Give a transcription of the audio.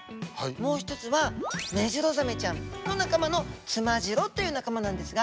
もう一つはメジロザメちゃんの仲間のツマジロという仲間なんですが。